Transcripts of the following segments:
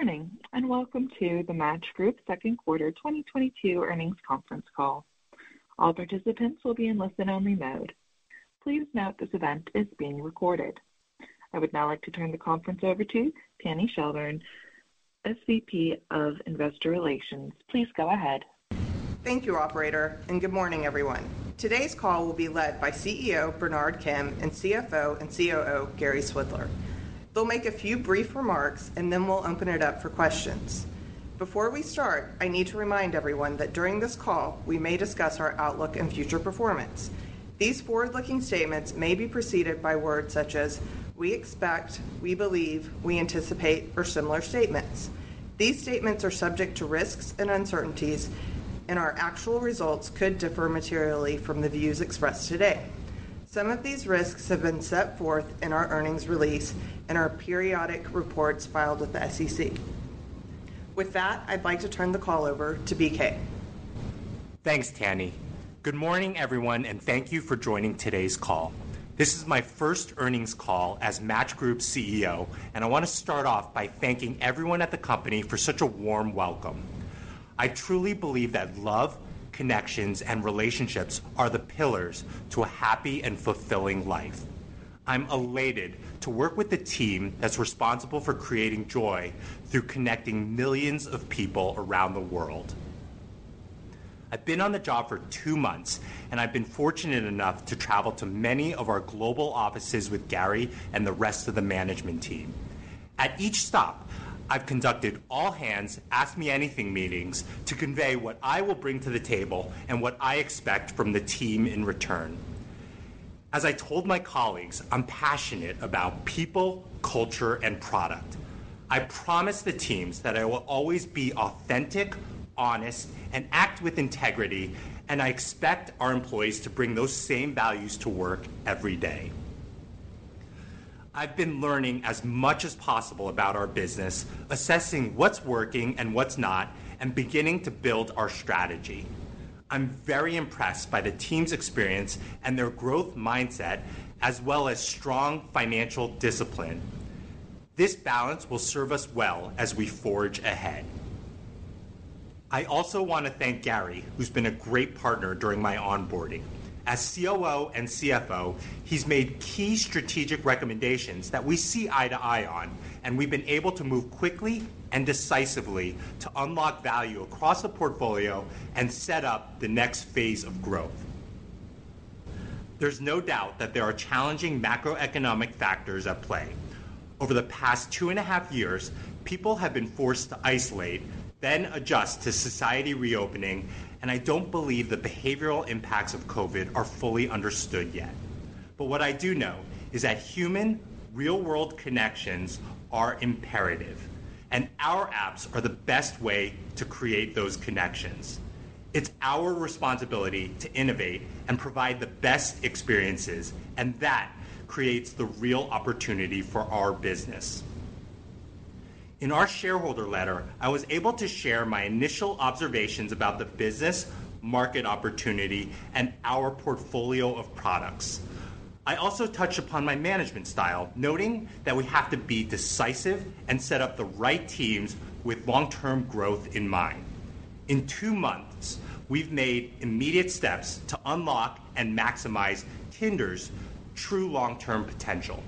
Good morning, and welcome to the Match Group Q2 2022 Earnings Conference Call. All participants will be in listen-only mode. Please note this event is being recorded. I would now like to turn the conference over to Tanny Shelburne, SVP of Investor Relations. Please go ahead. Thank you, operator, and good morning, everyone. Today's call will be led by CEO Bernard Kim and CFO and COO Gary Swidler. They'll make a few brief remarks, and then we'll open it up for questions. Before we start, I need to remind everyone that during this call, we may discuss our outlook and future performance. These forward-looking statements may be preceded by words such as "we expect," "we believe," "we anticipate," or similar statements. These statements are subject to risks and uncertainties, and our actual results could differ materially from the views expressed today. Some of these risks have been set forth in our earnings release and our periodic reports filed with the SEC. With that, I'd like to turn the call over to BK. Thanks, Tanny. Good morning, everyone, and thank you for joining today's call. This is my first earnings call as Match Group's CEO, and I wanna start off by thanking everyone at the company for such a warm welcome. I truly believe that love, connections, and relationships are the pillars to a happy and fulfilling life. I'm elated to work with the team that's responsible for creating joy through connecting millions of people around the world. I've been on the job for two months, and I've been fortunate enough to travel to many of our global offices with Gary and the rest of the management team. At each stop, I've conducted all-hands, ask-me-anything meetings to convey what I will bring to the table and what I expect from the team in return. As I told my colleagues, I'm passionate about people, culture, and product. I promise the teams that I will always be authentic, honest, and act with integrity, and I expect our employees to bring those same values to work every day. I've been learning as much as possible about our business, assessing what's working and what's not, and beginning to build our strategy. I'm very impressed by the team's experience and their growth mindset as well as strong financial discipline. This balance will serve us well as we forge ahead. I also wanna thank Gary, who's been a great partner during my onboarding. As COO and CFO, he's made key strategic recommendations that we see eye to eye on, and we've been able to move quickly and decisively to unlock value across the portfolio and set up the next phase of growth. There's no doubt that there are challenging macroeconomic factors at play. Over the past two and a half years, people have been forced to isolate, then adjust to society reopening, and I don't believe the behavioral impacts of COVID are fully understood yet. What I do know is that human, real-world connections are imperative, and our apps are the best way to create those connections. It's our responsibility to innovate and provide the best experiences, and that creates the real opportunity for our business. In our shareholder letter, I was able to share my initial observations about the business, market opportunity, and our portfolio of products. I also touch upon my management style, noting that we have to be decisive and set up the right teams with long-term growth in mind. In two months, we've made immediate steps to unlock and maximize Tinder's true long-term potential.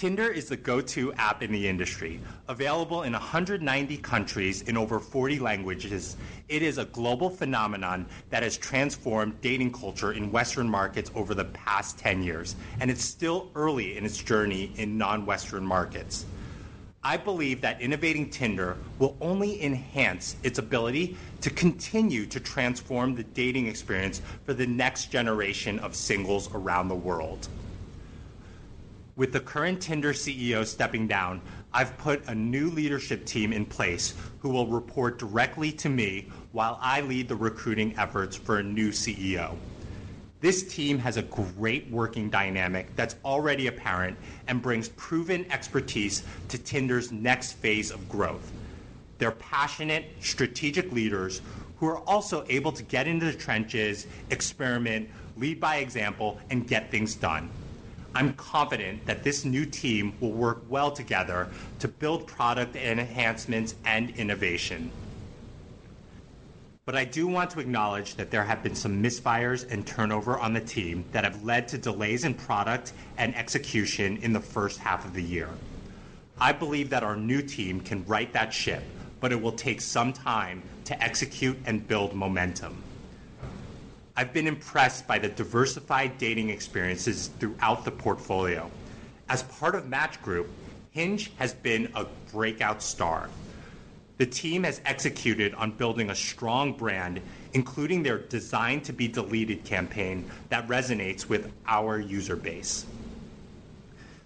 Tinder is the go-to app in the industry, available in 190 countries in over 40 languages. It is a global phenomenon that has transformed dating culture in Western markets over the past 10 years, and it's still early in its journey in non-Western markets. I believe that innovating Tinder will only enhance its ability to continue to transform the dating experience for the next generation of singles around the world. With the current Tinder CEO stepping down, I've put a new leadership team in place who will report directly to me while I lead the recruiting efforts for a new CEO. This team has a great working dynamic that's already apparent and brings proven expertise to Tinder's next phase of growth. They're passionate, strategic leaders who are also able to get into the trenches, experiment, lead by example, and get things done. I'm confident that this new team will work well together to build product enhancements and innovation. I do want to acknowledge that there have been some misfires and turnover on the team that have led to delays in product and execution in the H1 of the year. I believe that our new team can right that ship, but it will take some time to execute and build momentum. I've been impressed by the diversified dating experiences throughout the portfolio. As part of Match Group, Hinge has been a breakout star. The team has executed on building a strong brand, including their Designed to Be Deleted campaign that resonates with our user base.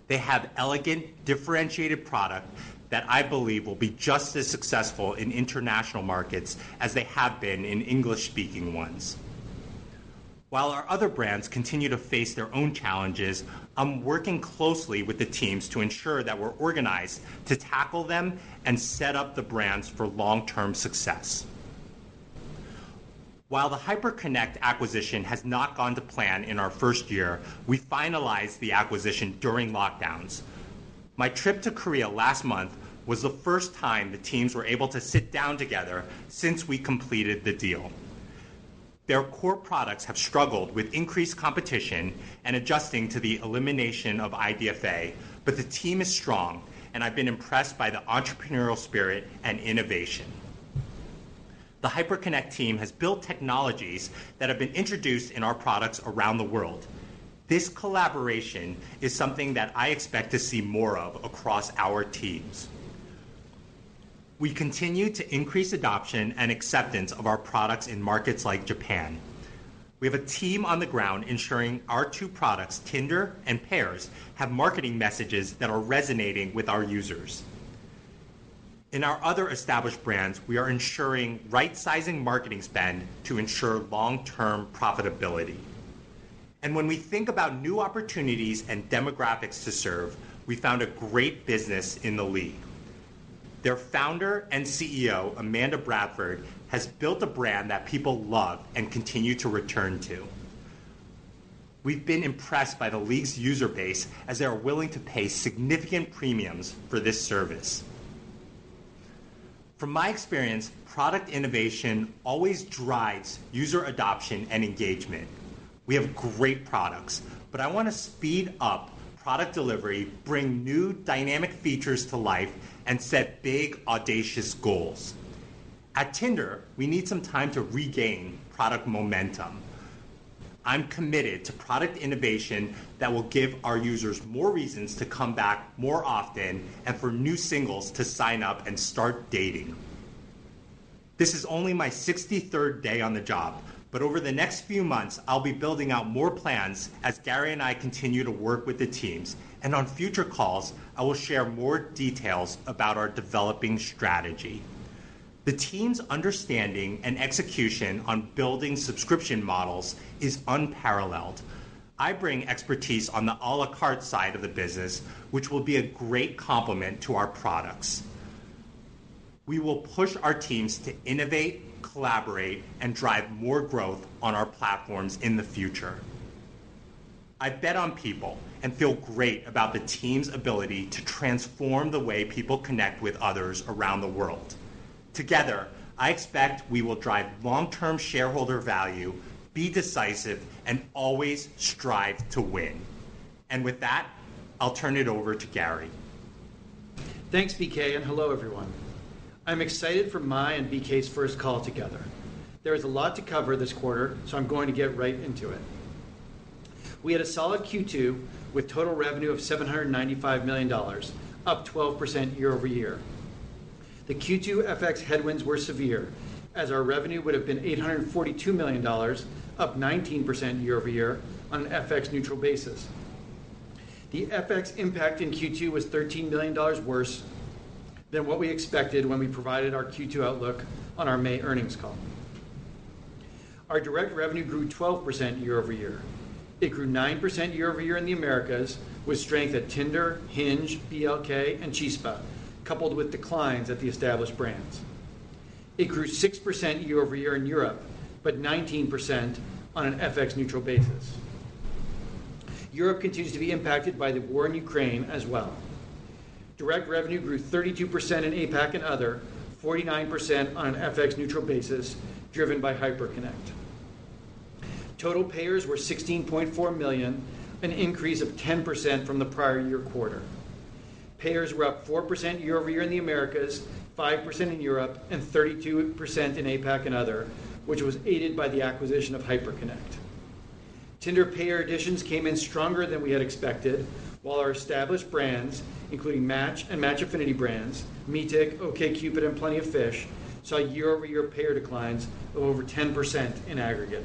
They have elegant, differentiated product that I believe will be just as successful in international markets as they have been in English-speaking ones. While our other brands continue to face their own challenges, I'm working closely with the teams to ensure that we're organized to tackle them and set up the brands for long-term success. While the Hyperconnect acquisition has not gone to plan in our first year, we finalized the acquisition during lockdowns. My trip to Korea last month was the first time the teams were able to sit down together since we completed the deal. Their core products have struggled with increased competition and adjusting to the elimination of IDFA, but the team is strong, and I've been impressed by the entrepreneurial spirit and innovation. The Hyperconnect team has built technologies that have been introduced in our products around the world. This collaboration is something that I expect to see more of across our teams. We continue to increase adoption and acceptance of our products in markets like Japan. We have a team on the ground ensuring our two products, Tinder and Pairs, have marketing messages that are resonating with our users. In our other established brands, we are ensuring right-sizing marketing spend to ensure long-term profitability. When we think about new opportunities and demographics to serve, we found a great business in The League. Their founder and CEO, Amanda Bradford, has built a brand that people love and continue to return to. We've been impressed by The League's user base as they are willing to pay significant premiums for this service. From my experience, product innovation always drives user adoption and engagement. We have great products, but I want to speed up product delivery, bring new dynamic features to life, and set big, audacious goals. At Tinder, we need some time to regain product momentum. I'm committed to product innovation that will give our users more reasons to come back more often and for new singles to sign up and start dating. This is only my 63rd day on the job, but over the next few months, I'll be building out more plans as Gary and I continue to work with the teams. On future calls, I will share more details about our developing strategy. The team's understanding and execution on building subscription models is unparalleled. I bring expertise on the a la carte side of the business, which will be a great complement to our products. We will push our teams to innovate, collaborate, and drive more growth on our platforms in the future. I bet on people and feel great about the team's ability to transform the way people connect with others around the world. Together, I expect we will drive long-term shareholder value, be decisive, and always strive to win. With that, I'll turn it over to Gary. Thanks, BK, and hello, everyone. I'm excited for my and BK's first call together. There is a lot to cover this quarter, so I'm going to get right into it. We had a solid Q2 with total revenue of $795 million, up 12% year-over-year. The Q2 FX headwinds were severe as our revenue would have been $842 million, up 19% year-over-year on an FX neutral basis. The FX impact in Q2 was $13 million worse than what we expected when we provided our Q2 outlook on our May earnings call. Our direct revenue grew 12% year-over-year. It grew 9% year-over-year in the Americas with strength at Tinder, Hinge, BLK, and Chispa, coupled with declines at the established brands. It grew 6% year-over-year in Europe, but 19% on an FX neutral basis. Europe continues to be impacted by the war in Ukraine as well. Direct revenue grew 32% in APAC and Other, 49% on an FX neutral basis driven by Hyperconnect. Total payers were 16.4 million, an increase of 10% from the prior year quarter. Payers were up 4% year-over-year in the Americas, 5% in Europe, and 32% in APAC and Other, which was aided by the acquisition of Hyperconnect. Tinder payer additions came in stronger than we had expected, while our established brands, including Match and Match Affinity brands, Meetic, OkCupid, and Plenty of Fish, saw year-over-year payer declines of over 10% in aggregate.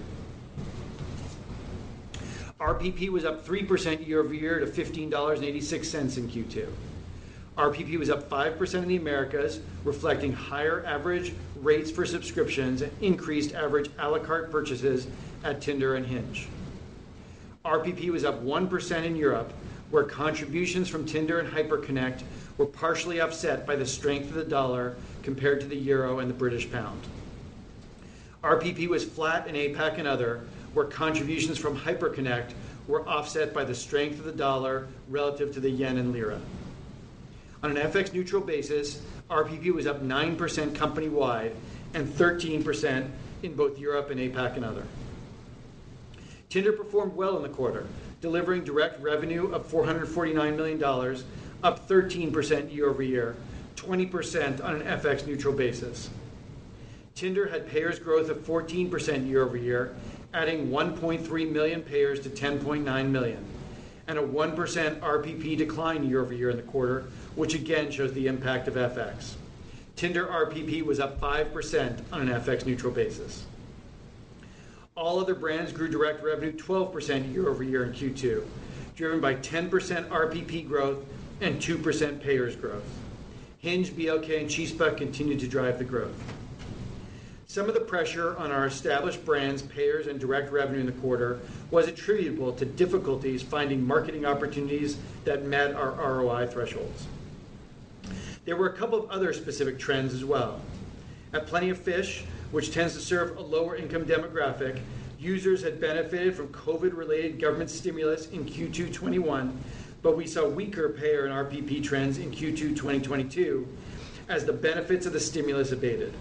RPP was up 3% year-over-year to $15.86 in Q2. RPP was up 5% in the Americas, reflecting higher average rates for subscriptions and increased average a la carte purchases at Tinder and Hinge. RPP was up 1% in Europe, where contributions from Tinder and Hyperconnect were partially upset by the strength of the dollar compared to the euro and the British pound. RPP was flat in APAC and Other, where contributions from Hyperconnect were offset by the strength of the dollar relative to the yen and lira. On an FX neutral basis, RPP was up 9% company-wide and 13% in both Europe and APAC and Other. Tinder performed well in the quarter, delivering direct revenue of $449 million, up 13% year-over-year, 20% on an FX neutral basis. Tinder had payers growth of 14% year-over-year, adding 1.3 million payers to 10.9 million, and a 1% RPP decline year-over-year in the quarter, which again shows the impact of FX. Tinder RPP was up 5% on an FX neutral basis. All other brands grew direct revenue 12% year-over-year in Q2, driven by 10% RPP growth and 2% payers growth. Hinge, BLK, and Chispa continued to drive the growth. Some of the pressure on our established brands' payers and direct revenue in the quarter was attributable to difficulties finding marketing opportunities that met our ROI thresholds. There were a couple of other specific trends as well. At Plenty of Fish, which tends to serve a lower-income demographic, users had benefited from COVID-related government stimulus in Q2 2021, but we saw weaker payer and RPP trends in Q2 2022 as the benefits of the stimulus abated.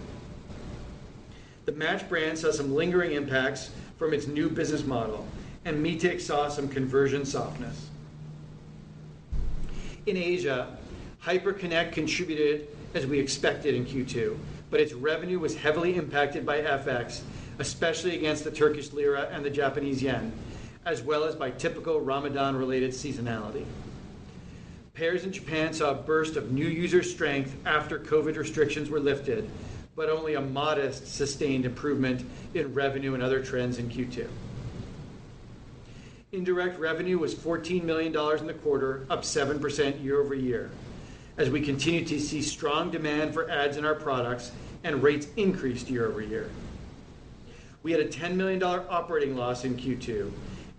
The Match brand saw some lingering impacts from its new business model, and Meetic saw some conversion softness. In Asia, Hyperconnect contributed as we expected in Q2, but its revenue was heavily impacted by FX, especially against the Turkish lira and the Japanese yen, as well as by typical Ramadan-related seasonality. Pairs in Japan saw a burst of new user strength after COVID restrictions were lifted, but only a modest sustained improvement in revenue and other trends in Q2. Indirect revenue was $14 million in the quarter, up 7% year-over-year, as we continued to see strong demand for ads in our products and rates increased year-over-year. We had a $10 million operating loss in Q2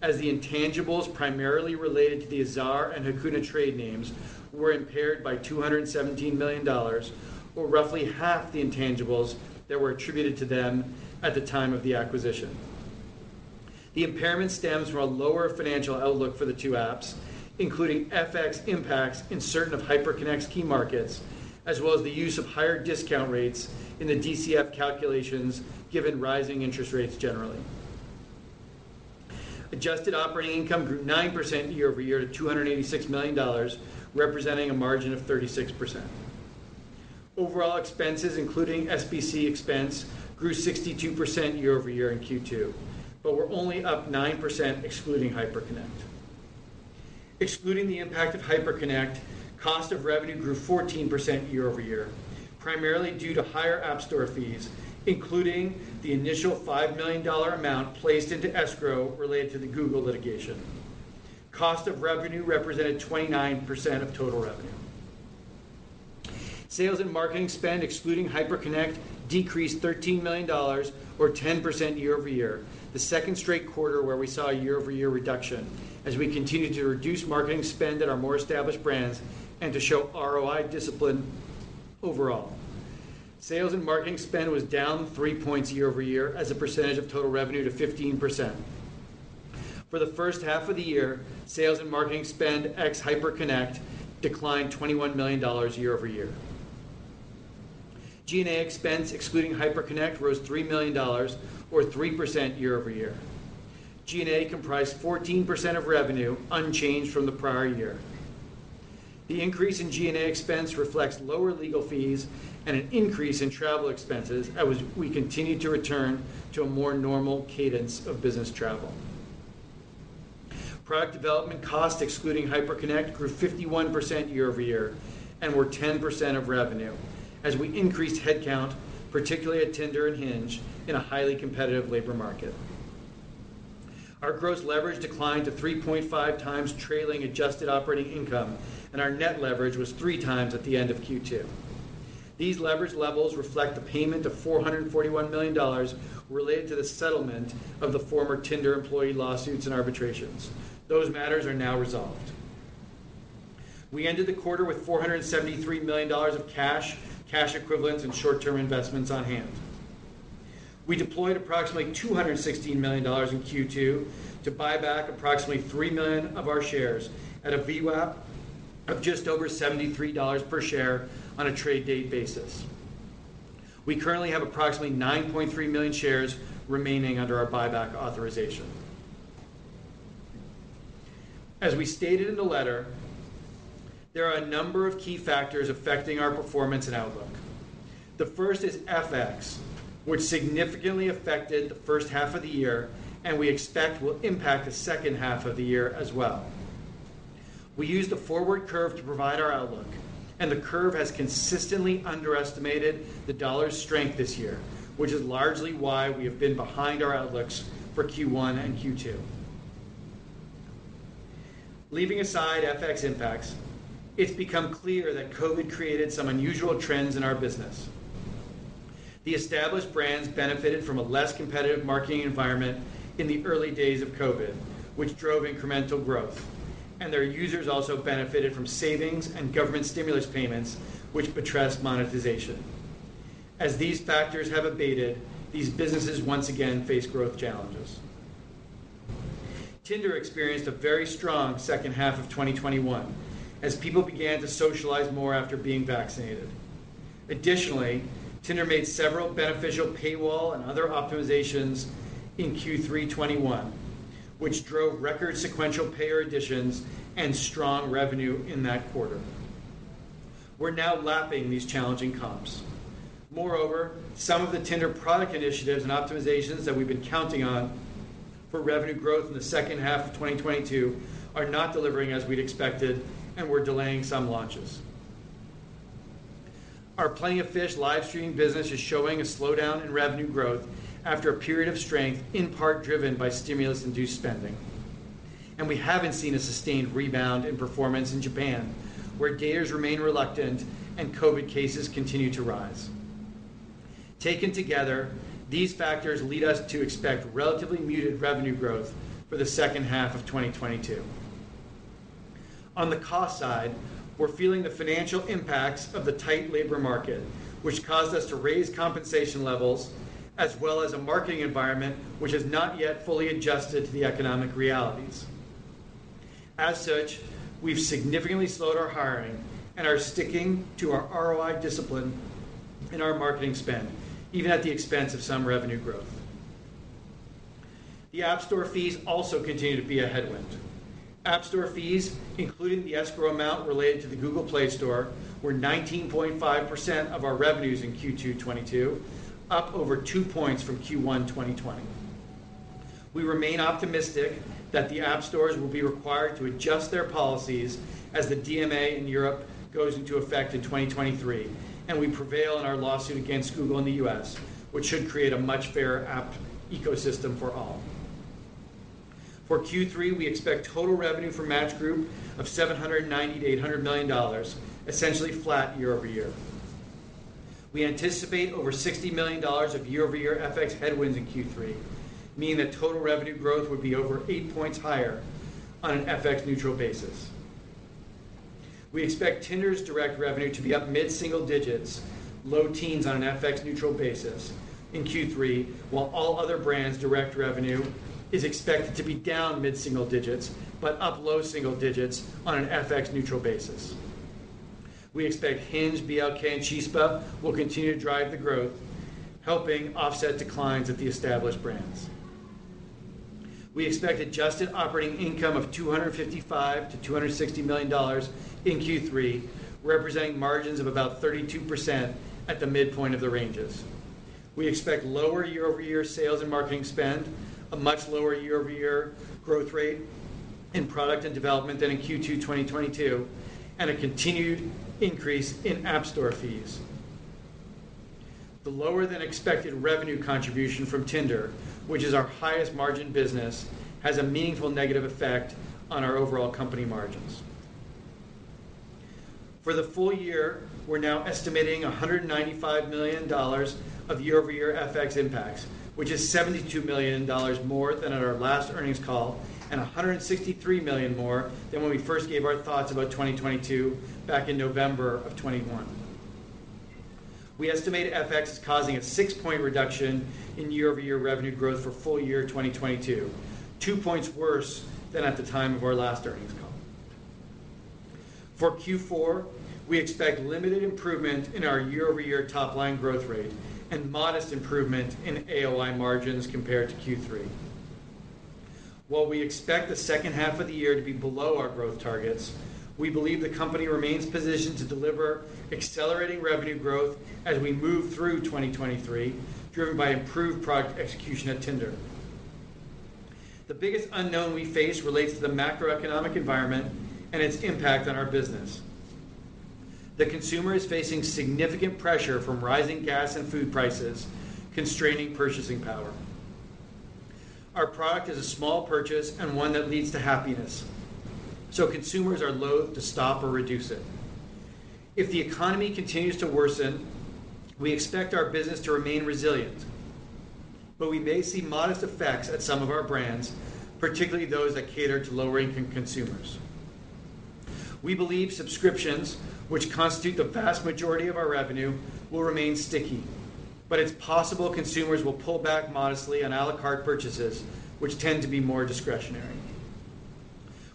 as the intangibles primarily related to the Azar and Hakuna trade names were impaired by $217 million, or roughly half the intangibles that were attributed to them at the time of the acquisition. The impairment stems from a lower financial outlook for the two apps, including FX impacts in certain of Hyperconnect's key markets, as well as the use of higher discount rates in the DCF calculations given rising interest rates generally. Adjusted operating income grew 9% year-over-year to $286 million, representing a margin of 36%. Overall expenses, including SBC expense, grew 62% year-over-year in Q2, but were only up 9% excluding Hyperconnect. Excluding the impact of Hyperconnect, cost of revenue grew 14% year-over-year, primarily due to higher app store fees, including the initial $5 million amount placed into escrow related to the Google litigation. Cost of revenue represented 29% of total revenue. Sales and marketing spend excluding Hyperconnect decreased $13 million or 10% year-over-year, the second straight quarter where we saw a year-over-year reduction as we continued to reduce marketing spend at our more established brands and to show ROI discipline overall. Sales and marketing spend was down three points year-over-year as a percentage of total revenue to 15%. For the H1 of the year, sales and marketing spend ex Hyperconnect declined $21 million year-over-year. G&A expense excluding Hyperconnect rose $3 million or 3% year-over-year. G&A comprised 14% of revenue, unchanged from the prior year. The increase in G&A expense reflects lower legal fees and an increase in travel expenses as we continued to return to a more normal cadence of business travel. Product development cost excluding Hyperconnect grew 51% year-over-year and were 10% of revenue as we increased headcount, particularly at Tinder and Hinge, in a highly competitive labor market. Our gross leverage declined to 3.5 times trailing adjusted operating income, and our net leverage was 3x at the end of Q2. These leverage levels reflect the payment of $441 million related to the settlement of the former Tinder employee lawsuits and arbitrations. Those matters are now resolved. We ended the quarter with $473 million of cash equivalents and short-term investments on hand. We deployed approximately $216 million in Q2 to buy back approximately 3 million of our shares at a VWAP of just over $73 per share on a trade date basis. We currently have approximately 9.3 million shares remaining under our buyback authorization. As we stated in the letter, there are a number of key factors affecting our performance and outlook. The first is FX, which significantly affected the H1 of the year and we expect will impact the H of the year as well. We used a forward curve to provide our outlook, and the curve has consistently underestimated the dollar's strength this year, which is largely why we have been behind our outlooks for Q1 and Q2. Leaving aside FX impacts, it's become clear that COVID created some unusual trends in our business. The established brands benefited from a less competitive marketing environment in the early days of COVID, which drove incremental growth. Their users also benefited from savings and government stimulus payments, which buttressed monetization. As these factors have abated, these businesses once again face growth challenges. Tinder experienced a very strong H2 of 2021 as people began to socialize more after being vaccinated. Additionally, Tinder made several beneficial paywall and other optimizations in Q3 2021, which drove record sequential payer additions and strong revenue in that quarter. We're now lapping these challenging comps. Moreover, some of the Tinder product initiatives and optimizations that we've been counting on for revenue growth in the H2 of 2022 are not delivering as we'd expected, and we're delaying some launches. Our Plenty of Fish live streaming business is showing a slowdown in revenue growth after a period of strength in part driven by stimulus-induced spending. We haven't seen a sustained rebound in performance in Japan, where daters remain reluctant and COVID cases continue to rise. Taken together, these factors lead us to expect relatively muted revenue growth for the H2 of 2022. On the cost side, we're feeling the financial impacts of the tight labor market, which caused us to raise compensation levels, as well as a marketing environment which has not yet fully adjusted to the economic realities. As such, we've significantly slowed our hiring and are sticking to our ROI discipline in our marketing spend, even at the expense of some revenue growth. The App Store fees also continue to be a headwind. App Store fees, including the escrow amount related to the Google Play Store, were 19.5% of our revenues in Q2 2022, up over two points from Q1 2020. We remain optimistic that the App Stores will be required to adjust their policies as the DMA in Europe goes into effect in 2023 and we prevail in our lawsuit against Google in the U.S., which should create a much fairer app ecosystem for all. For Q3, we expect total revenue for Match Group of $790 million-$800 million, essentially flat year-over-year. We anticipate over $60 million of year-over-year FX headwinds in Q3, meaning that total revenue growth would be over eight points higher on an FX-neutral basis. We expect Tinder's direct revenue to be up mid-single digits, low teens on an FX-neutral basis in Q3, while all other brands' direct revenue is expected to be down mid-single digits, but up low single digits on an FX-neutral basis. We expect Hinge, BLK, and Chispa will continue to drive the growth, helping offset declines at the established brands. We expect adjusted operating income of $255 million-$260 million in Q3, representing margins of about 32% at the midpoint of the ranges. We expect lower year-over-year sales and marketing spend, a much lower year-over-year growth rate in product and development than in Q2 2022, and a continued increase in App Store fees. The lower than expected revenue contribution from Tinder, which is our highest margin business, has a meaningful negative effect on our overall company margins. For the full year, we're now estimating $195 million of year-over-year FX impacts, which is $72 million more than at our last earnings call and $163 million more than when we first gave our thoughts about 2022 back in November of 2021. We estimate FX is causing a six point reduction in year-over-year revenue growth for full year 2022, two points worse than at the time of our last earnings call. For Q4, we expect limited improvement in our year-over-year top line growth rate and modest improvement in AOI margins compared to Q3. While we expect the H2 of the year to be below our growth targets, we believe the company remains positioned to deliver accelerating revenue growth as we move through 2023, driven by improved product execution at Tinder. The biggest unknown we face relates to the macroeconomic environment and its impact on our business. The consumer is facing significant pressure from rising gas and food prices, constraining purchasing power. Our product is a small purchase and one that leads to happiness, so consumers are loath to stop or reduce it. If the economy continues to worsen, we expect our business to remain resilient, but we may see modest effects at some of our brands, particularly those that cater to lower-income consumers. We believe subscriptions, which constitute the vast majority of our revenue, will remain sticky, but it's possible consumers will pull back modestly on à la carte purchases, which tend to be more discretionary.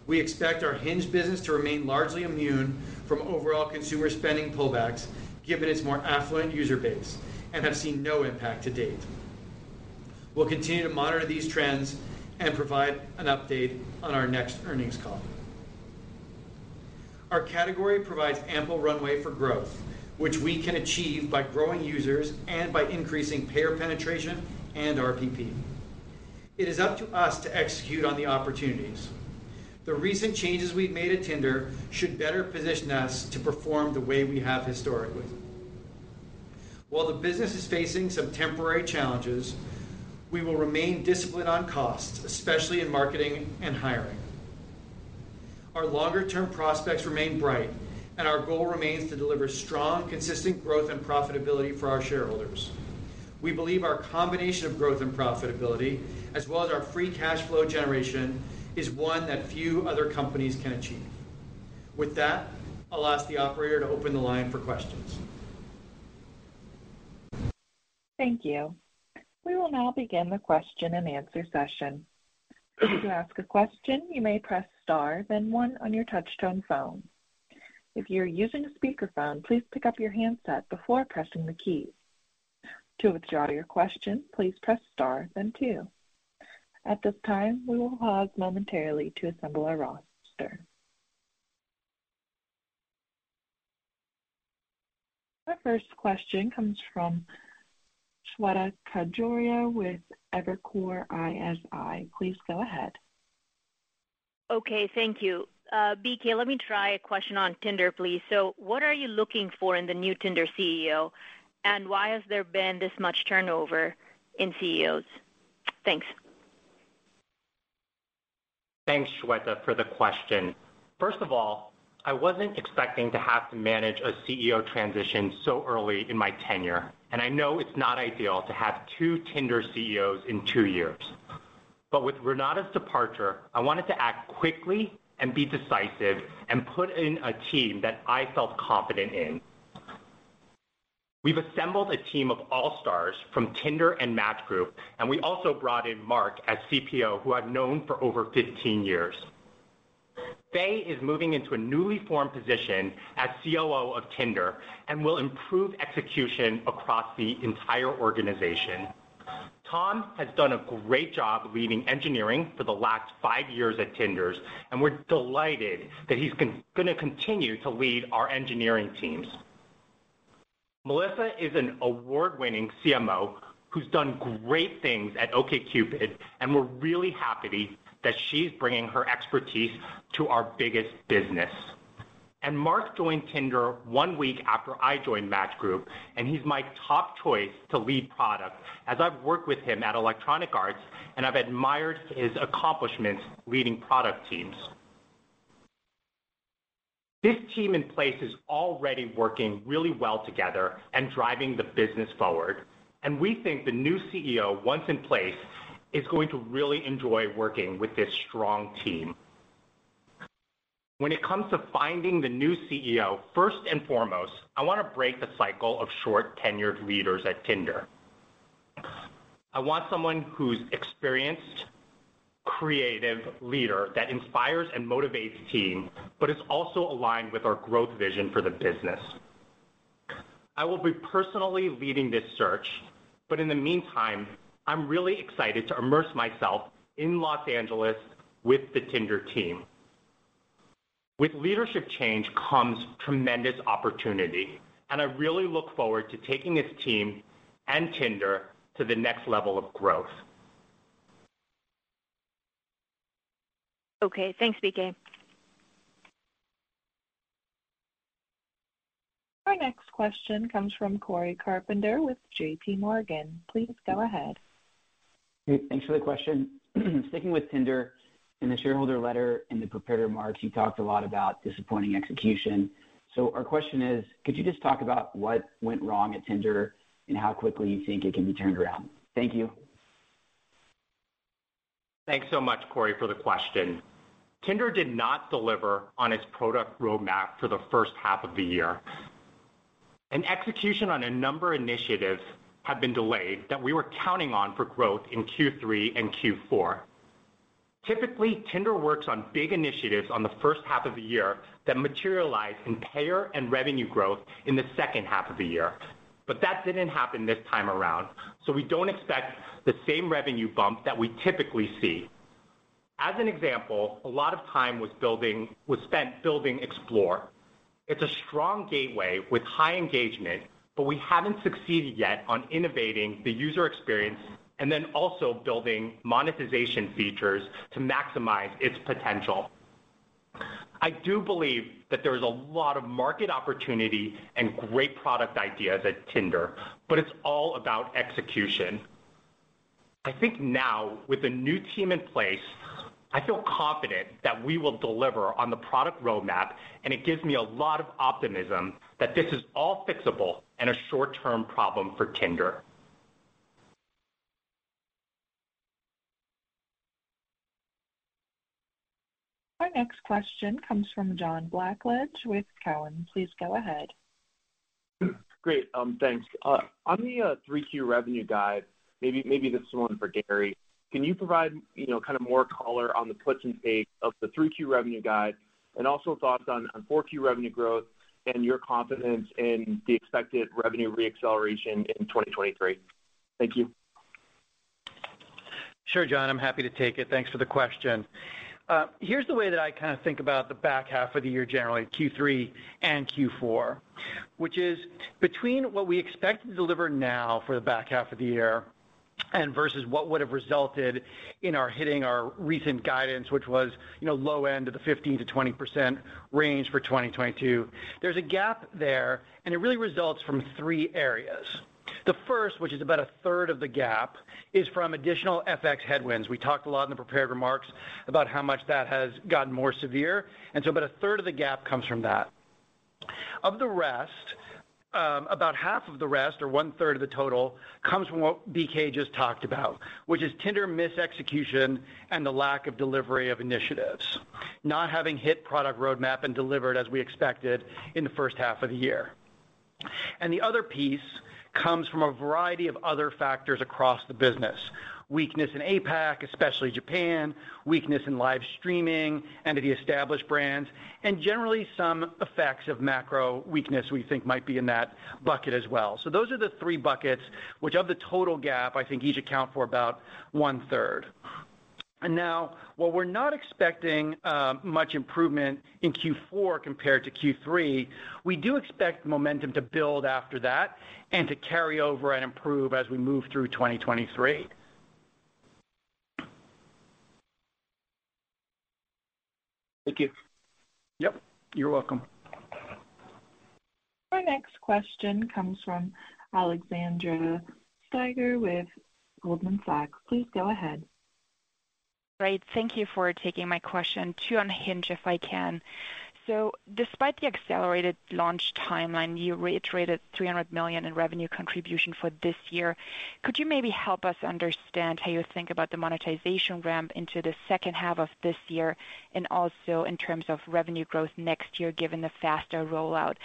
We expect our Hinge business to remain largely immune from overall consumer spending pullbacks given its more affluent user base and have seen no impact to date. We'll continue to monitor these trends and provide an update on our next earnings call. Our category provides ample runway for growth, which we can achieve by growing users and by increasing payer penetration and RPP. It is up to us to execute on the opportunities. The recent changes we've made at Tinder should better position us to perform the way we have historically. While the business is facing some temporary challenges, we will remain disciplined on costs, especially in marketing and hiring. Our longer-term prospects remain bright, and our goal remains to deliver strong, consistent growth and profitability for our shareholders. We believe our combination of growth and profitability, as well as our free cash flow generation, is one that few other companies can achieve. With that, I'll ask the operator to open the line for questions. Thank you. We will now begin the question and answer session. To ask a question, you may press star then one on your touchtone phone. If you're using a speakerphone, please pick up your handset before pressing the keys. To withdraw your question, please press star then two. At this time, we will pause momentarily to assemble our roster. Our first question comes from Shweta Khajuria with Evercore ISI. Please go ahead. Okay, thank you. BK, let me try a question on Tinder, please. What are you looking for in the new Tinder CEO, and why has there been this much turnover in CEOs? Thanks. Thanks, Shweta, for the question. First of all, I wasn't expecting to have to manage a CEO transition so early in my tenure, and I know it's not ideal to have two Tinder CEOs in two years. With Renate's departure, I wanted to act quickly and be decisive and put in a team that I felt confident in. We've assembled a team of all-stars from Tinder and Match Group, and we also brought in Mark as CPO, who I've known for over 15 years. Faye is moving into a newly formed position as COO of Tinder and will improve execution across the entire organization. Tom has done a great job leading engineering for the last five years at Tinder, and we're delighted that he's gonna continue to lead our engineering teams. Melissa is an award-winning CMO who's done great things at OkCupid, and we're really happy that she's bringing her expertise to our biggest business. Mark joined Tinder one week after I joined Match Group, and he's my top choice to lead product as I've worked with him at Electronic Arts and I've admired his accomplishments leading product teams. This team in place is already working really well together and driving the business forward, and we think the new CEO, once in place, is going to really enjoy working with this strong team. When it comes to finding the new CEO, first and foremost, I wanna break the cycle of short-tenured leaders at Tinder. I want someone who's experienced, creative leader that inspires and motivates team, but is also aligned with our growth vision for the business. I will be personally leading this search, but in the meantime, I'm really excited to immerse myself in Los Angeles with the Tinder team. With leadership change comes tremendous opportunity, and I really look forward to taking this team and Tinder to the next level of growth. Okay, thanks, BK. Our next question comes from Cory Carpenter with JP Morgan. Please go ahead. Great. Thanks for the question. Sticking with Tinder, in the shareholder letter, in the prepared remarks, you talked a lot about disappointing execution. Our question is, could you just talk about what went wrong at Tinder and how quickly you think it can be turned around? Thank you. Thanks so much, Cory, for the question. Tinder did not deliver on its product roadmap for the H1 of the year. Execution on a number of initiatives have been delayed that we were counting on for growth in Q3 and Q4. Typically, Tinder works on big initiatives on the H1 of the year that materialize in payer and revenue growth in the H2 of the year. That didn't happen this time around, so we don't expect the same revenue bump that we typically see. As an example, a lot of time was spent building Explore. It's a strong gateway with high engagement, but we haven't succeeded yet on innovating the user experience and then also building monetization features to maximize its potential. I do believe that there is a lot of market opportunity and great product ideas at Tinder, but it's all about execution. I think now with the new team in place, I feel confident that we will deliver on the product roadmap, and it gives me a lot of optimism that this is all fixable and a short-term problem for Tinder. Our next question comes from John Blackledge with Cowen. Please go ahead. Great, thanks. On the Q3 revenue guide, maybe this is one for Gary. Can you provide, you know, kind of more color on the puts and takes of the Q3 revenue guide and also thoughts on Q4 revenue growth and your confidence in the expected revenue re-acceleration in 2023? Thank you. Sure, John. I'm happy to take it. Thanks for the question. Here's the way that I kinda think about the back half of the year, generally Q3 and Q4, which is between what we expect to deliver now for the back half of the year and versus what would have resulted in our hitting our recent guidance, which was, you know, low end of the 15%-20% range for 2022. There's a gap there, and it really results from three areas. The first, which is about a third of the gap, is from additional FX headwinds. We talked a lot in the prepared remarks about how much that has gotten more severe, and so about a third of the gap comes from that. Of the rest, about half of the rest or one-third of the total comes from what BK just talked about, which is Tinder mis-execution and the lack of delivery of initiatives. Not having hit product roadmap and delivered as we expected in the H1 of the year. The other piece comes from a variety of other factors across the business. Weakness in APAC, especially Japan, weakness in live streaming and in the established brands, and generally some effects of macro weakness we think might be in that bucket as well. Those are the three buckets which of the total gap, I think each account for about one-third. Now, while we're not expecting much improvement in Q4 compared to Q3, we do expect momentum to build after that and to carry over and improve as we move through 2023. Thank you. Yep, you're welcome. Our next question comes from Alexandra Steiger with Goldman Sachs. Please go ahead. Great. Thank you for taking my question. Two on Hinge, if I can. Despite the accelerated launch timeline, you reiterated $300 million in revenue contribution for this year. Could you maybe help us understand how you think about the monetization ramp into the H2 of this year and also in terms of revenue growth next year, given the faster rollout?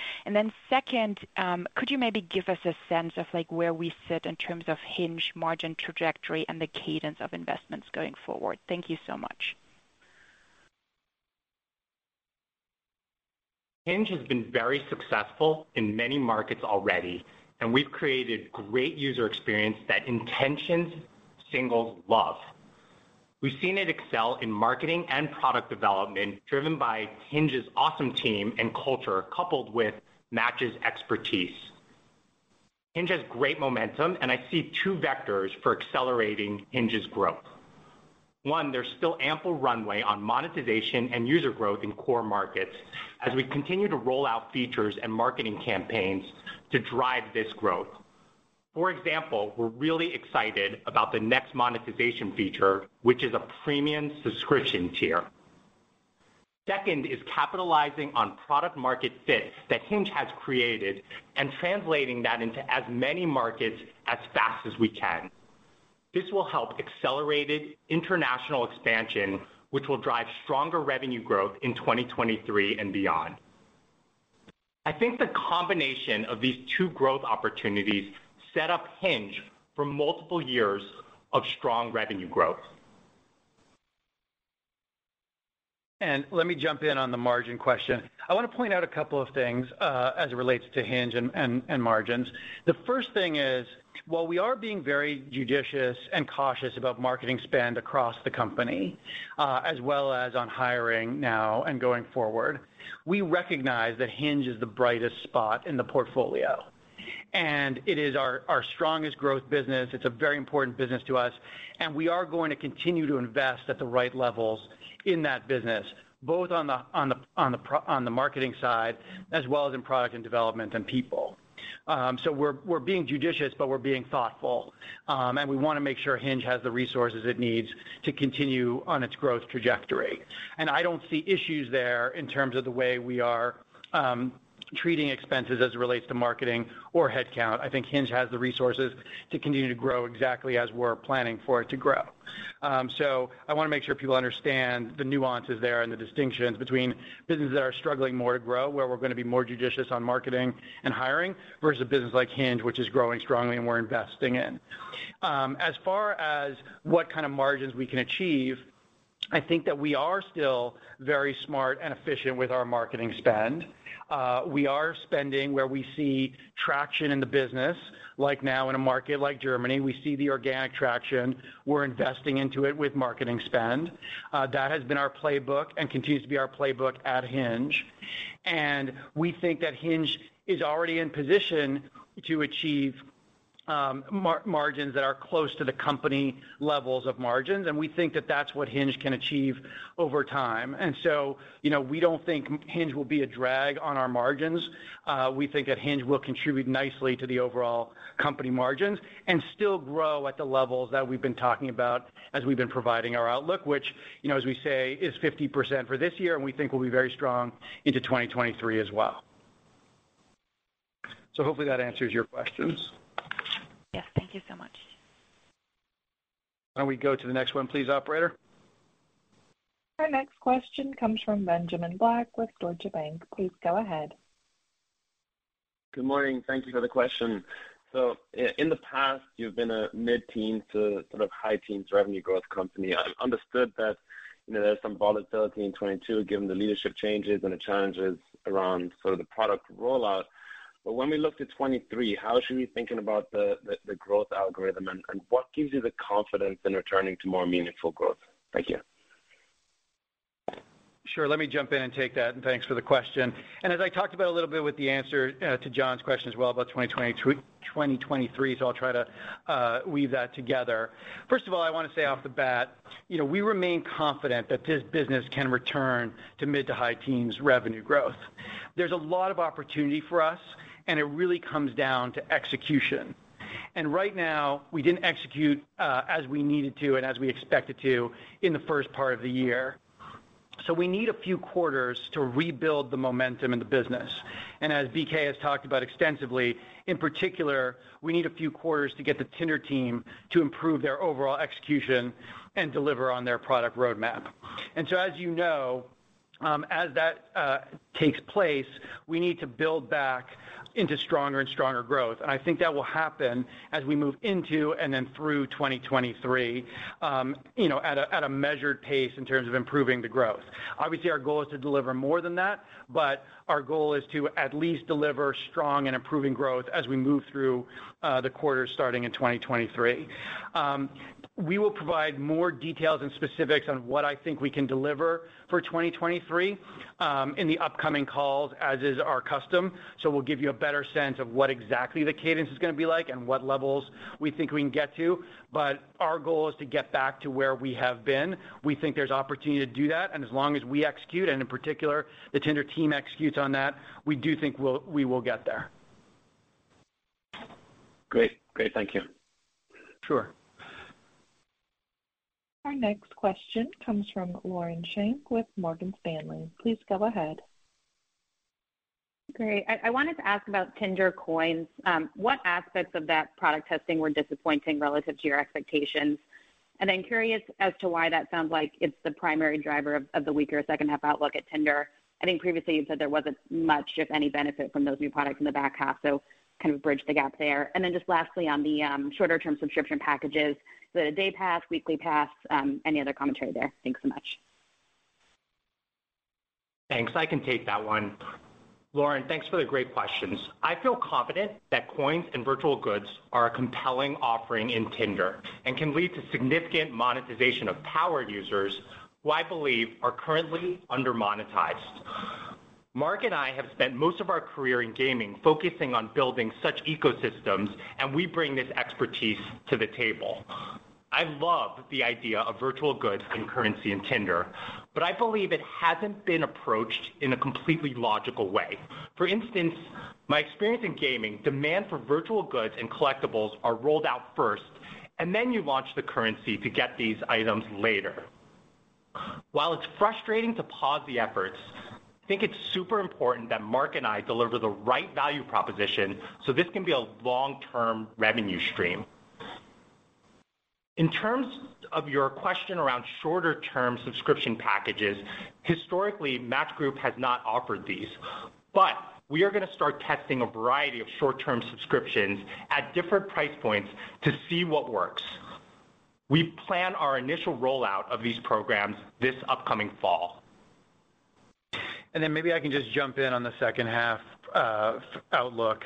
Second, could you maybe give us a sense of, like, where we sit in terms of Hinge margin trajectory and the cadence of investments going forward? Thank you so much. Hinge has been very successful in many markets already, and we've created great user experience that intentional singles love. We've seen it excel in marketing and product development, driven by Hinge's awesome team and culture, coupled with Match's expertise. Hinge has great momentum, and I see two vectors for accelerating Hinge's growth. One, there's still ample runway on monetization and user growth in core markets as we continue to roll out features and marketing campaigns to drive this growth. For example, we're really excited about the next monetization feature, which is a premium subscription tier. Second is capitalizing on product market fit that Hinge has created and translating that into as many markets as fast as we can. This will help accelerate international expansion, which will drive stronger revenue growth in 2023 and beyond. I think the combination of these two growth opportunities set up Hinge for multiple years of strong revenue growth. Let me jump in on the margin question. I want to point out a couple of things, as it relates to Hinge and margins. The first thing is, while we are being very judicious and cautious about marketing spend across the company, as well as on hiring now and going forward, we recognize that Hinge is the brightest spot in the portfolio, and it is our strongest growth business. It's a very important business to us, and we are going to continue to invest at the right levels in that business, both on the marketing side as well as in product and development and people. We're being judicious, but we're being thoughtful, and we want to make sure Hinge has the resources it needs to continue on its growth trajectory. I don't see issues there in terms of the way we are, treating expenses as it relates to marketing or headcount. I think Hinge has the resources to continue to grow exactly as we're planning for it to grow. I want to make sure people understand the nuances there and the distinctions between businesses that are struggling more to grow, where we're going to be more judicious on marketing and hiring, versus a business like Hinge, which is growing strongly and we're investing in. As far as what kind of margins we can achieve, I think that we are still very smart and efficient with our marketing spend. We are spending where we see traction in the business, like now in a market like Germany. We see the organic traction. We're investing into it with marketing spend. That has been our playbook and continues to be our playbook at Hinge. We think that Hinge is already in position to achieve, margins that are close to the company levels of margins, and we think that that's what Hinge can achieve over time. You know, we don't think Hinge will be a drag on our margins. We think that Hinge will contribute nicely to the overall company margins and still grow at the levels that we've been talking about as we've been providing our outlook, which, you know, as we say, is 50% for this year, and we think will be very strong into 2023 as well. Hopefully that answers your questions. Yes. Thank you so much. Why don't we go to the next one, please, operator? Our next question comes from Benjamin Black with Deutsche Bank. Please go ahead. Good morning. Thank you for the question. In the past, you've been a mid-teens to high-teens revenue growth company. I've understood that, you know, there's some volatility in 2022, given the leadership changes and the challenges around the product rollout. When we look to 2023, how should we be thinking about the growth algorithm and what gives you the confidence in returning to more meaningful growth? Thank you. Sure. Let me jump in and take that, and thanks for the question. As I talked about a little bit with the answer to John's question as well about 2023, I'll try to weave that together. First of all, I want to say off the bat, you know, we remain confident that this business can return to mid- to high-teens revenue growth. There's a lot of opportunity for us, and it really comes down to execution. Right now, we didn't execute as we needed to and as we expected to in the first part of the year. We need a few quarters to rebuild the momentum in the business. As BK has talked about extensively, in particular, we need a few quarters to get the Tinder team to improve their overall execution and deliver on their product roadmap. As you know, as that takes place, we need to build back into stronger and stronger growth. I think that will happen as we move into and then through 2023, you know, at a measured pace in terms of improving the growth. Obviously, our goal is to deliver more than that, but our goal is to at least deliver strong and improving growth as we move through the quarters starting in 2023. We will provide more details and specifics on what I think we can deliver for 2023 in the upcoming calls, as is our custom. We'll give you a better sense of what exactly the cadence is gonna be like and what levels we think we can get to. Our goal is to get back to where we have been. We think there's opportunity to do that, and as long as we execute, and in particular, the Tinder team executes on that, we do think we will get there. Great. Great. Thank you. Sure. Our next question comes from Lauren Schenk with Morgan Stanley. Please go ahead. Great. I wanted to ask about Tinder coins. What aspects of that product testing were disappointing relative to your expectations? Then curious as to why that sounds like it's the primary driver of the weaker second half outlook at Tinder. I think previously you said there wasn't much, if any, benefit from those new products in the back half. Kind of bridge the gap there. Then just lastly, on the shorter-term subscription packages, the day pass, weekly pass, any other commentary there? Thanks so much. Thanks. I can take that one. Lauren, thanks for the great questions. I feel confident that coins and virtual goods are a compelling offering in Tinder and can lead to significant monetization of power users who I believe are currently under-monetized. Mark and I have spent most of our career in gaming focusing on building such ecosystems, and we bring this expertise to the table. I love the idea of virtual goods and currency in Tinder, but I believe it hasn't been approached in a completely logical way. For instance, my experience in gaming, demand for virtual goods and collectibles are rolled out first, and then you launch the currency to get these items later. While it's frustrating to pause the efforts, I think it's super important that Mark and I deliver the right value proposition so this can be a long-term revenue stream. In terms of your question around shorter-term subscription packages, historically, Match Group has not offered these, but we are gonna start testing a variety of short-term subscriptions at different price points to see what works. We plan our initial rollout of these programs this upcoming fall. Maybe I can just jump in on the H2 outlook.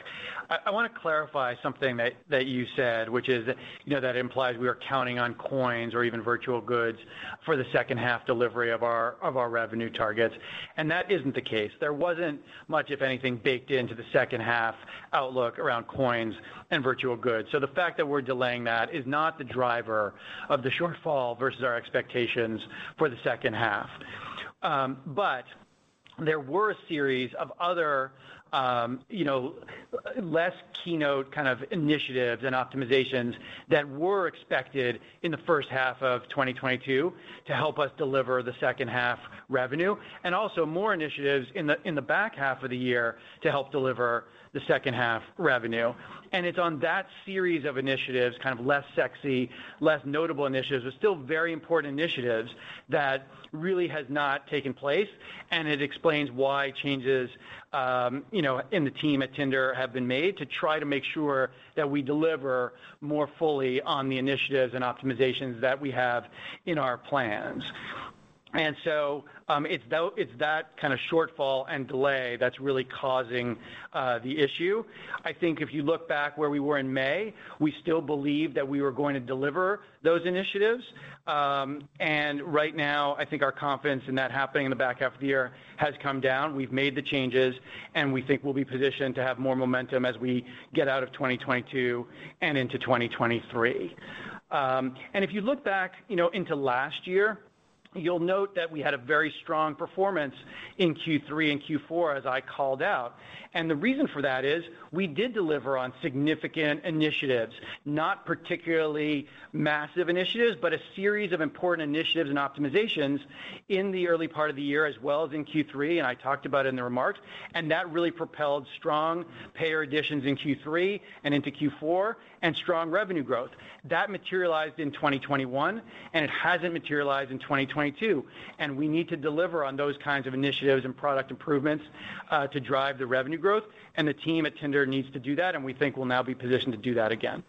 I wanna clarify something that you said, which is, you know, that implies we are counting on coins or even virtual goods for the H2 delivery of our revenue targets, and that isn't the case. There wasn't much, if anything, baked into the H2 outlook around coins and virtual goods. The fact that we're delaying that is not the driver of the shortfall versus our expectations for the H2. There were a series of other, you know, less keynote kind of initiatives and optimizations that were expected in the H1 of 2022 to help us deliver the H2 revenue, and also more initiatives in the back half of the year to help deliver the H2 revenue. It's on that series of initiatives, kind of less sexy, less notable initiatives, but still very important initiatives that really has not taken place, and it explains why changes, you know, in the team at Tinder have been made to try to make sure that we deliver more fully on the initiatives and optimizations that we have in our plans. It's that kinda shortfall and delay that's really causing the issue. I think if you look back where we were in May, we still believed that we were going to deliver those initiatives. Right now, I think our confidence in that happening in the back half of the year has come down. We've made the changes, and we think we'll be positioned to have more momentum as we get out of 2022 and into 2023. If you look back, you know, into last year, you'll note that we had a very strong performance in Q3 and Q4, as I called out. The reason for that is we did deliver on significant initiatives, not particularly massive initiatives, but a series of important initiatives and optimizations in the early part of the year as well as in Q3, and I talked about it in the remarks, and that really propelled strong payer additions in Q3 and into Q4 and strong revenue growth. That materialized in 2021, and it hasn't materialized in 2022, and we need to deliver on those kinds of initiatives and product improvements to drive the revenue growth. The team at Tinder needs to do that, and we think we'll now be positioned to do that again.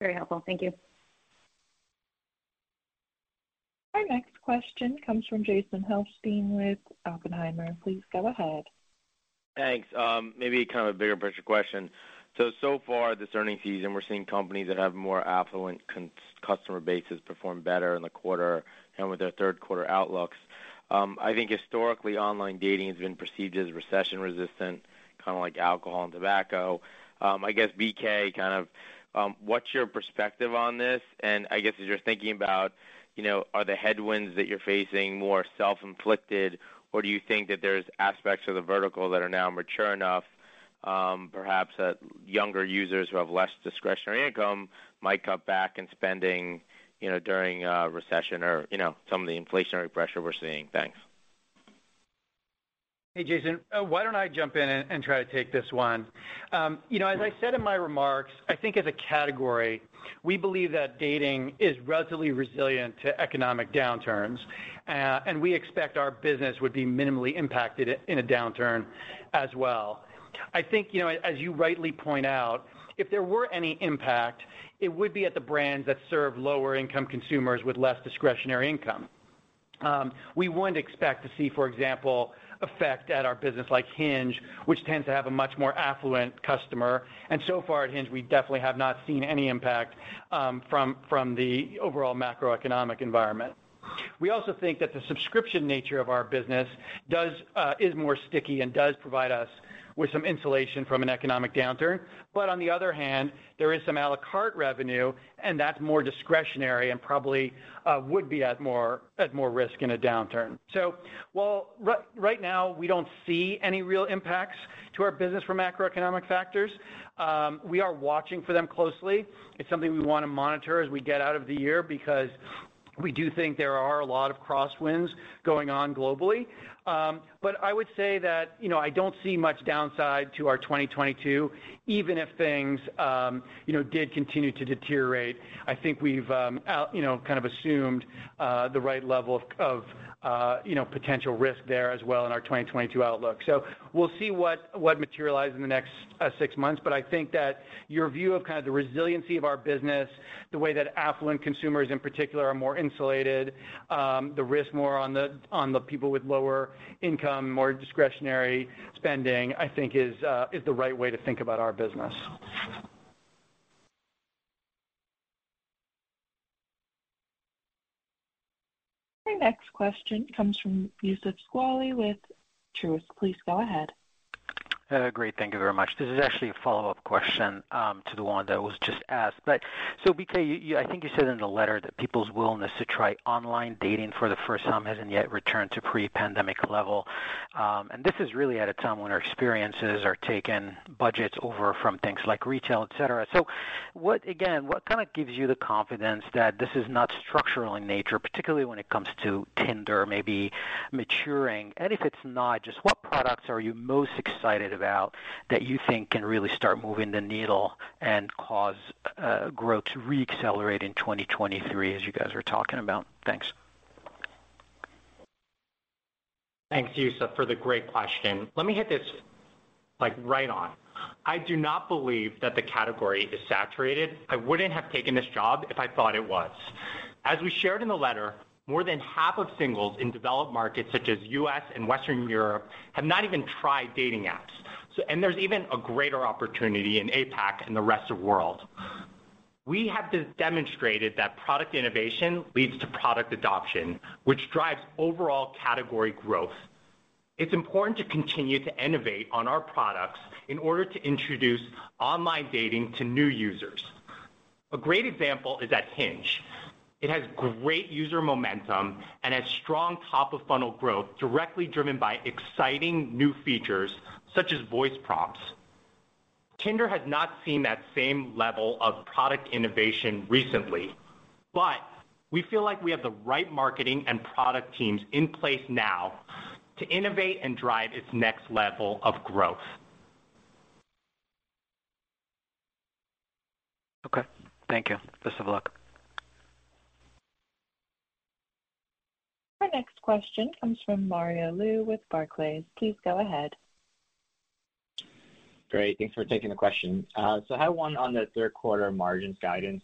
Very helpful. Thank you. Our next question comes from Jason Helfstein with Oppenheimer. Please go ahead. Thanks. Maybe kind of a bigger picture question. So far this earnings season, we're seeing companies that have more affluent customer bases perform better in the quarter and with their Q3 outlooks. I think historically, online dating has been perceived as recession resistant, kinda like alcohol and tobacco. I guess, BK, kind of, what's your perspective on this? I guess, as you're thinking about, you know, are the headwinds that you're facing more self-inflicted, or do you think that there's aspects of the vertical that are now mature enough, perhaps that younger users who have less discretionary income might cut back in spending, you know, during a recession or, you know, some of the inflationary pressure we're seeing? Thanks. Hey, Jason. Why don't I jump in and try to take this one? You know, as I said in my remarks, I think as a category, we believe that dating is relatively resilient to economic downturns, and we expect our business would be minimally impacted in a downturn as well. I think, you know, as you rightly point out, if there were any impact, it would be at the brands that serve lower income consumers with less discretionary income. We wouldn't expect to see, for example, effect at our business like Hinge, which tends to have a much more affluent customer. So far at Hinge, we definitely have not seen any impact from the overall macroeconomic environment. We also think that the subscription nature of our business does is more sticky and does provide us with some insulation from an economic downturn. On the other hand, there is some à la carte revenue, and that's more discretionary and probably would be at more risk in a downturn. While right now we don't see any real impacts to our business from macroeconomic factors, we are watching for them closely. It's something we want to monitor as we get out of the year because we do think there are a lot of crosswinds going on globally. I would say that, you know, I don't see much downside to our 2022, even if things, you know, did continue to deteriorate. I think we've you know kind of assumed the right level of you know potential risk there as well in our 2022 outlook. We'll see what materializes in the next six months. I think that your view of kind of the resiliency of our business, the way that affluent consumers in particular are more insulated, the risk more on the people with lower income, more discretionary spending, I think is the right way to think about our business. Our next question comes from Youssef Squali with Truist. Please go ahead. Great. Thank you very much. This is actually a follow-up question to the one that was just asked. BK, I think you said in the letter that people's willingness to try online dating for the first time hasn't yet returned to pre-pandemic level. This is really at a time when our experiences are taking budgets over from things like retail, et cetera. What kind of gives you the confidence that this is not structural in nature, particularly when it comes to Tinder maybe maturing? If it's not, just what products are you most excited about that you think can really start moving the needle and cause growth to re-accelerate in 2023, as you guys were talking about? Thanks. Thanks, Youssef, for the great question. Let me hit this, like, right on. I do not believe that the category is saturated. I wouldn't have taken this job if I thought it was. As we shared in the letter, more than half of singles in developed markets such as U.S. and Western Europe have not even tried dating apps. There's even a greater opportunity in APAC and the rest of world. We have just demonstrated that product innovation leads to product adoption, which drives overall category growth. It's important to continue to innovate on our products in order to introduce online dating to new users. A great example is at Hinge. It has great user momentum and has strong top-of-funnel growth directly driven by exciting new features such as voice prompts. Tinder has not seen that same level of product innovation recently. We feel like we have the right marketing and product teams in place now to innovate and drive its next level of growth. Okay. Thank you. Best of luck. Our next question comes from Mario Lu with Barclays. Please go ahead. Great. Thanks for taking the question. I have one on the Q3 margins guidance.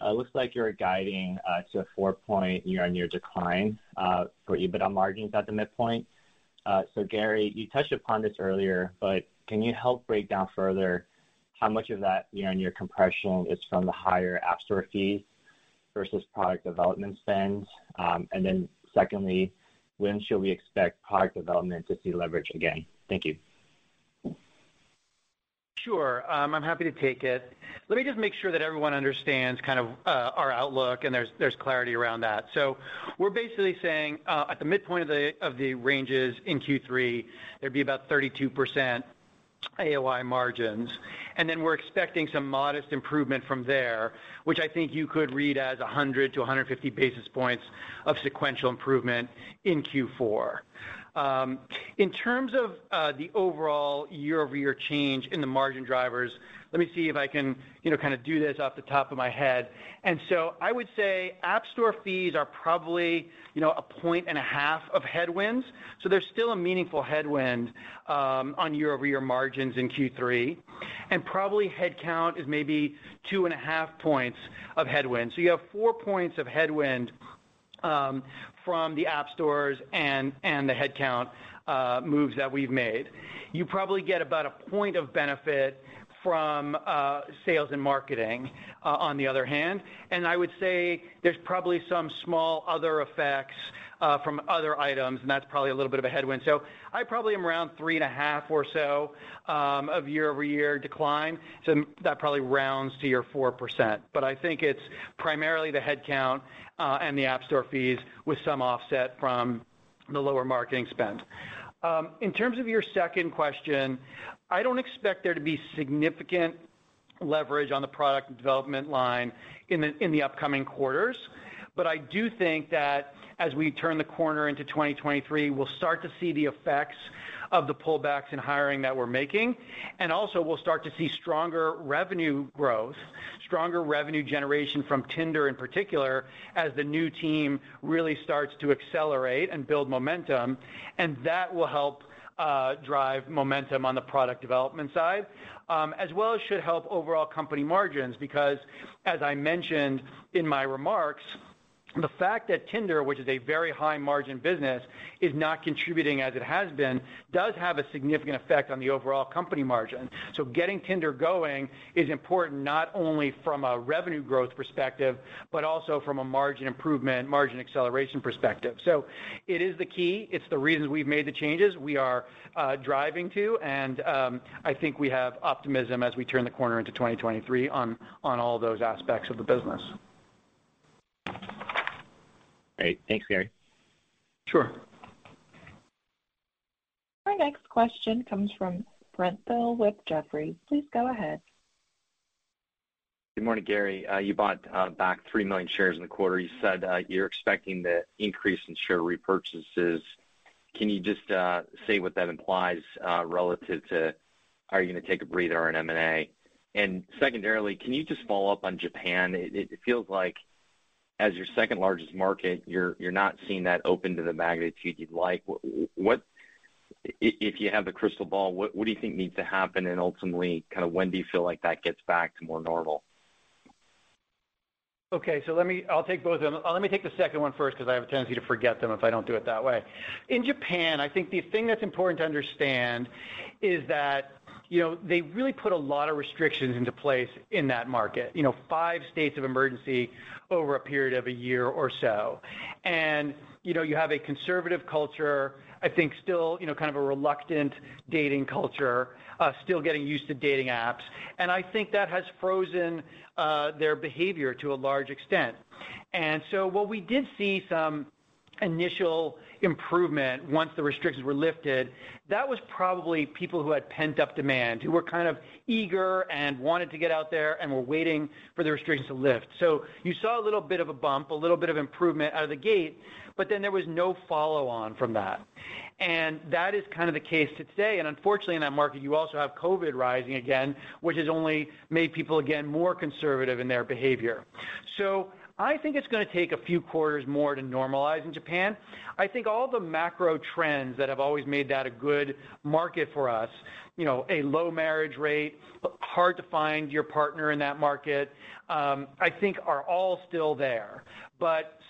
It looks like you're guiding to a four point year-on-year decline for EBITDA margins at the midpoint. Gary, you touched upon this earlier, but can you help break down further how much of that year-on-year compression is from the higher App Store fees versus product development spends? Secondly, when should we expect product development to see leverage again? Thank you. Sure. I'm happy to take it. Let me just make sure that everyone understands kind of our outlook and there's clarity around that. We're basically saying at the midpoint of the ranges in Q3, there'd be about 32% AOI margins. Then we're expecting some modest improvement from there, which I think you could read as 100-150 basis points of sequential improvement in Q4. In terms of the overall year-over-year change in the margin drivers, let me see if I can, you know, kind of do this off the top of my head. I would say App Store fees are probably, you know, 1.5 points of headwinds. There's still a meaningful headwind on year-over-year margins in Q3. Probably headcount is maybe 2.5 points of headwind. You have four points of headwind from the App Stores and the headcount moves that we've made. You probably get about 1 point of benefit from sales and marketing on the other hand. I would say there's probably some small other effects from other items, and that's probably a little bit of a headwind. I probably am around 3.5 or so of year-over-year decline. That probably rounds to your 4%. I think it's primarily the headcount and the App Store fees with some offset from the lower marketing spend. In terms of your second question, I don't expect there to be significant leverage on the product development line in the upcoming quarters. I do think that as we turn the corner into 2023, we'll start to see the effects of the pullbacks in hiring that we're making. Also we'll start to see stronger revenue growth, stronger revenue generation from Tinder in particular, as the new team really starts to accelerate and build momentum. That will help drive momentum on the product development side, as well as should help overall company margins, because as I mentioned in my remarks. The fact that Tinder, which is a very high margin business, is not contributing as it has been, does have a significant effect on the overall company margin. Getting Tinder going is important, not only from a revenue growth perspective, but also from a margin improvement, margin acceleration perspective. It is the key. It's the reason we've made the changes we are driving to. I think we have optimism as we turn the corner into 2023 on all those aspects of the business. Great. Thanks, Gary. Sure. Our next question comes from Brent Thill with Jefferies. Please go ahead. Good morning, Gary. You bought back 3 million shares in the quarter. You said you're expecting the increase in share repurchases. Can you just say what that implies relative to, are you gonna take a breather on M&A? Secondarily, can you just follow up on Japan? It feels like as your second-largest market, you're not seeing that open to the magnitude you'd like. What. If you have a crystal ball, what do you think needs to happen? Ultimately, kind of when do you feel like that gets back to more normal? Let me, I'll take both of them. Let me take the second one first 'cause I have a tendency to forget them if I don't do it that way. In Japan, I think the thing that's important to understand is that, you know, they really put a lot of restrictions into place in that market. You know, five states of emergency over a period of a year or so. You know, you have a conservative culture, I think still, you know, kind of a reluctant dating culture, still getting used to dating apps. I think that has frozen their behavior to a large extent. While we did see some initial improvement once the restrictions were lifted, that was probably people who had pent-up demand, who were kind of eager and wanted to get out there and were waiting for the restrictions to lift. You saw a little bit of a bump, a little bit of improvement out of the gate, but then there was no follow on from that. That is kind of the case to today. Unfortunately, in that market, you also have COVID rising again, which has only made people, again, more conservative in their behavior. I think it's gonna take a few quarters more to normalize in Japan. I think all the macro trends that have always made that a good market for us, you know, a low marriage rate, hard to find your partner in that market, I think are all still there.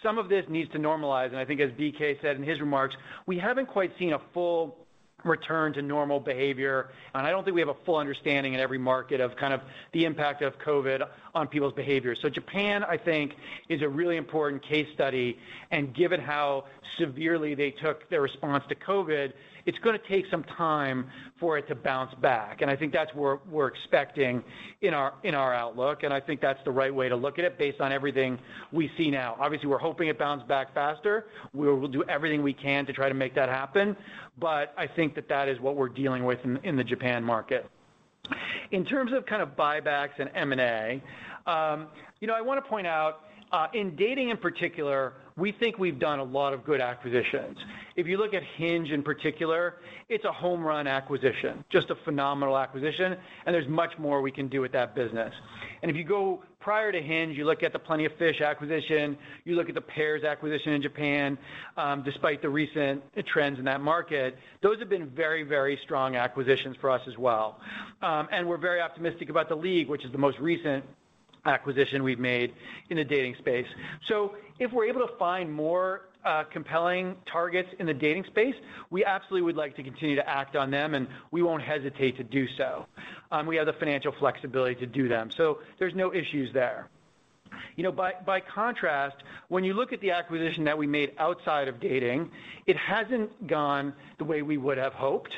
Some of this needs to normalize. I think as BK said in his remarks, we haven't quite seen a full return to normal behavior. I don't think we have a full understanding in every market of kind of the impact of COVID on people's behavior. Japan, I think, is a really important case study. Given how severely they took their response to COVID, it's gonna take some time for it to bounce back. I think that's where we're expecting in our outlook, and I think that's the right way to look at it based on everything we see now. Obviously, we're hoping it bounce back faster. We will do everything we can to try to make that happen. I think that is what we're dealing with in the Japan market. In terms of kind of buybacks and M&A, you know, I wanna point out, in dating in particular, we think we've done a lot of good acquisitions. If you look at Hinge in particular, it's a home run acquisition, just a phenomenal acquisition, and there's much more we can do with that business. If you go prior to Hinge, you look at the Plenty of Fish acquisition, you look at the Pairs acquisition in Japan, despite the recent trends in that market, those have been very, very strong acquisitions for us as well. We're very optimistic about The League, which is the most recent acquisition we've made in the dating space. If we're able to find more, compelling targets in the dating space, we absolutely would like to continue to act on them, and we won't hesitate to do so. We have the financial flexibility to do them, so there's no issues there. You know, by contrast, when you look at the acquisition that we made outside of dating, it hasn't gone the way we would have hoped.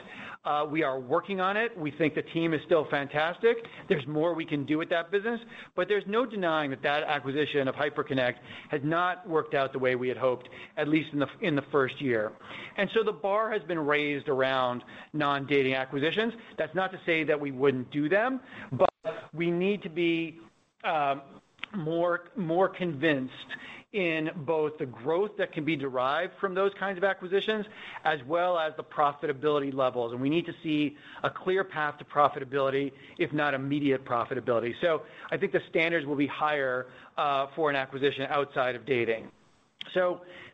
We are working on it. We think the team is still fantastic. There's more we can do with that business. But there's no denying that acquisition of Hyperconnect has not worked out the way we had hoped, at least in the first year. The bar has been raised around non-dating acquisitions. That's not to say that we wouldn't do them, but we need to be more convinced in both the growth that can be derived from those kinds of acquisitions, as well as the profitability levels. We need to see a clear path to profitability, if not immediate profitability. I think the standards will be higher for an acquisition outside of dating.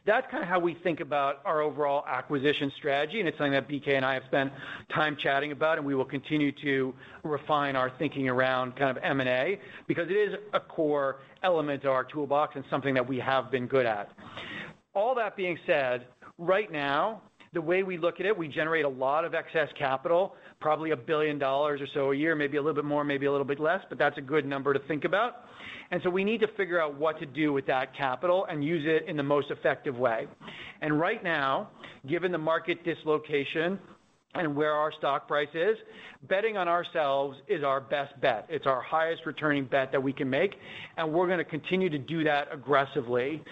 That's kinda how we think about our overall acquisition strategy, and it's something that BK and I have spent time chatting about, and we will continue to refine our thinking around kind of M&A because it is a core element to our toolbox and something that we have been good at. All that being said, right now, the way we look at it, we generate a lot of excess capital, probably $1 billion or so a year, maybe a little bit more, maybe a little bit less, but that's a good number to think about. We need to figure out what to do with that capital and use it in the most effective way. Right now, given the market dislocation and where our stock price is, betting on ourselves is our best bet. It's our highest returning bet that we can make, and we're gonna continue to do that aggressively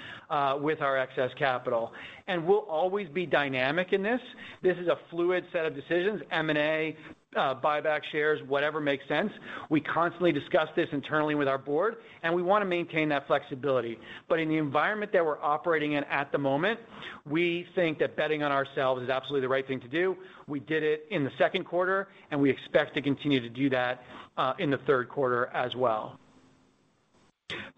with our excess capital. We'll always be dynamic in this. This is a fluid set of decisions, M&A, buyback shares, whatever makes sense. We constantly discuss this internally with our board, and we wanna maintain that flexibility. In the environment that we're operating in at the moment, we think that betting on ourselves is absolutely the right thing to do. We did it in the Q2, and we expect to continue to do that in the Q3 as well.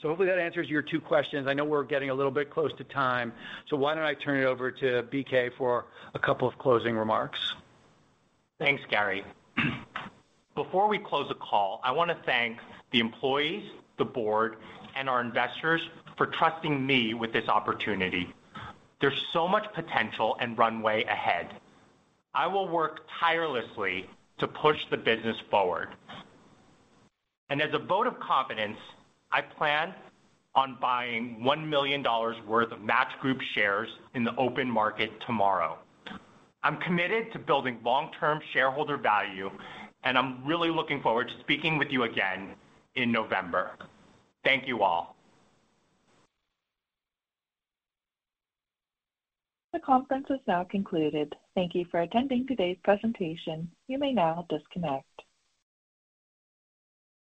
Hopefully that answers your two questions. I know we're getting a little bit close to time, so why don't I turn it over to BK for a couple of closing remarks. Thanks, Gary. Before we close the call, I wanna thank the employees, the board, and our investors for trusting me with this opportunity. There's so much potential and runway ahead. I will work tirelessly to push the business forward. As a vote of confidence, I plan on buying $1 million worth of Match Group shares in the open market tomorrow. I'm committed to building long-term shareholder value, and I'm really looking forward to speaking with you again in November. Thank you all. The conference is now concluded. Thank you for attending today's presentation. You may now disconnect.